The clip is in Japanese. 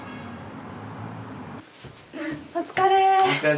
お疲れ。